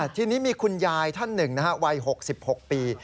ทีนี้มีคุณยายท่านหนึ่งวัย๖๖ปี